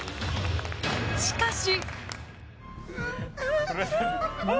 しかし。